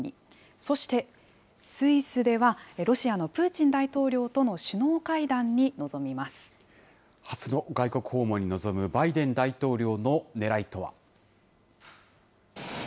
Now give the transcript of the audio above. そしてスイスでは、ロシアのプーチン大統領との首脳会談に臨みま初の外国訪問に臨むバイデン大統領のねらいとは。